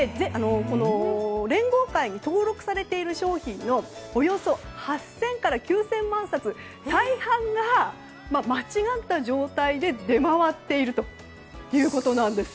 連合会に登録されている商品のおよそ８０００から９０００万冊大半が間違った状態で出回っているということです。